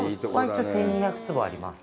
一応、１２００坪あります。